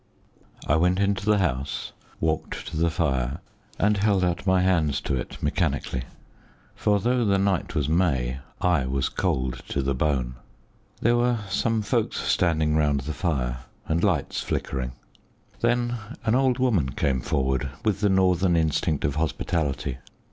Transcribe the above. I went into the house, walked to the fire, and held out my hands to it mechanically, for, though the night was May, I was cold to the bone. There were some folks standing round the fire and lights flickering. Then an old woman came forward with the northern instinct of hospitality.